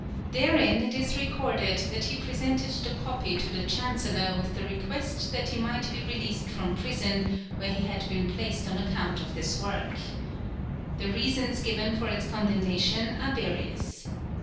Therein it is recorded that he presented the copy to the Chancellor with the request that he might be released from prison, where he had been placed on account of this work. The reasons given for its condemnation are various.